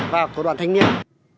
và của đoàn thanh niên